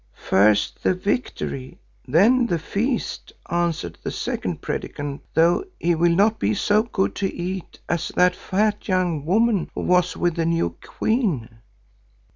"'First the victory, then the feast,' answered the second Predikant, 'though he will not be so good to eat as that fat young woman who was with the new queen.